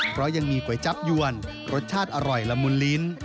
เพราะยังมีก๋วยจับยวนรสชาติอร่อยละมุนลิ้น